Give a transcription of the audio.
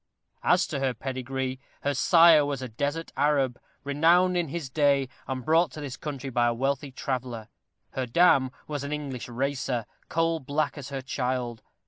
As to her pedigree. Her sire was a desert Arab, renowned in his day, and brought to this country by a wealthy traveller; her dam was an English racer, coal black as her child.